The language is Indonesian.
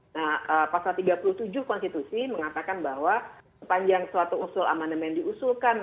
nah pasal tiga puluh tujuh konstitusi mengatakan bahwa sepanjang suatu usul amandemen diusulkan